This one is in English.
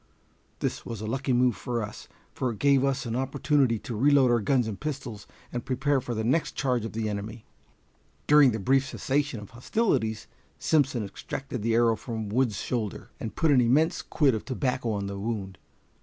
This was a lucky move for us, for it gave us an opportunity to reload our guns and pistols and prepare for the next charge of the enemy. During the brief cessation of hostilities Simpson extracted the arrow from Wood's shoulder, and put an immense quid of tobacco on the wound.